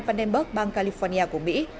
vandenberg bang california của mỹ